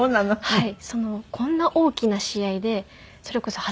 はい。